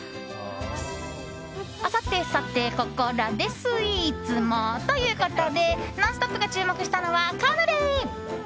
さてさて、ここらでスイーツも。ということで「ノンストップ！」が注目したのは、カヌレ。